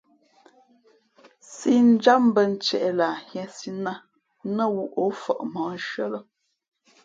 Sīnjǎm mbᾱ ntieʼ lah nhīēsī nát, nά wū ǒ fα̌ʼ mǒhnshʉ̄ᾱ lά.